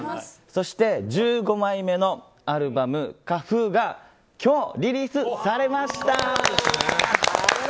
そして、１５枚目のアルバム「Ｋａｆｕｕ」が今日、リリースされました！